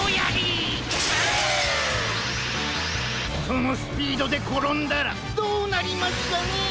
そのスピードでころんだらどうなりますかねえ。